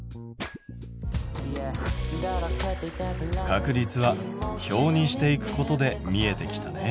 確率は表にしていくことで見えてきたね。